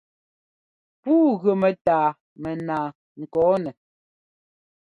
Pûu gʉ mɛ́tâa mɛnaa ŋkɔ̂nɛ.